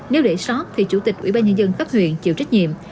nếu để sóc thì chủ tịch ubnd khắp huyện chịu trách nhiệm